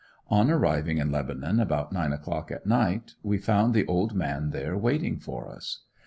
On arriving in Lebanon about nine o'clock at night we found the "old man" there waiting for us.